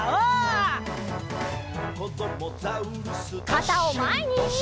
かたをまえに！